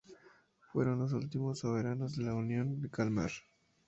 Fueron los últimos soberanos de la Unión de Kalmar.